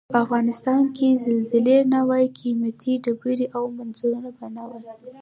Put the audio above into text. په افغنستان کې که زلزلې نه وای قیمتي ډبرې او منرالونه به نه وای.